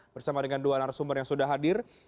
bersama dengan dua narasumber yang sudah hadir